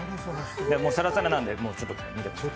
サラサラなんで、見てください。